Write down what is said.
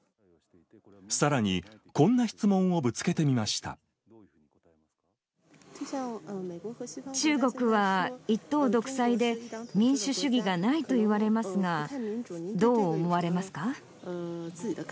さらにこんな質問をぶつけて中国は一党独裁で、民主主義がないといわれますが、どう思われますか？